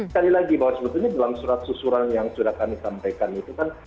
sekali lagi bahwa sebetulnya dalam surat susuran yang sudah kami sampaikan itu kan